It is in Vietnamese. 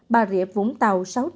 bà riệp một sáu trăm hai mươi chín ca